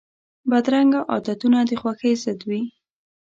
بدرنګه عادتونه د خوښۍ ضد وي